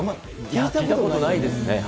聞いたことないですよね。